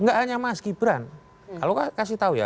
nggak hanya mas gibran kalau kasih tahu ya